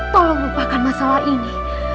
tolong lupakan masalah ini